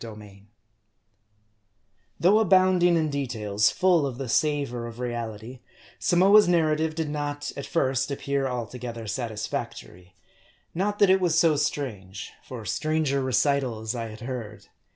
r THOUGH abounding in details full of the savor of reality, Samoa's narrative did not at first appear altogether satisfac tory. Not that it was so strange ; for stranger recitals I had heard.